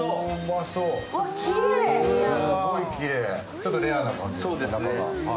ちょっとレアな感じで、中で。